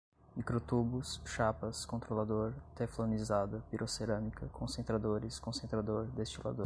micro-tubos, chapas, controlador, teflonizada, pirocerâmica, concentradores, concentrador, destilador